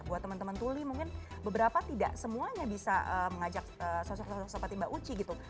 buat teman teman tuli mungkin beberapa tidak semuanya bisa mengajak sosok sosok seperti mbak uci gitu